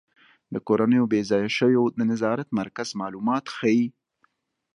د کورنیو بې ځایه شویو د نظارت مرکز معلومات ښيي.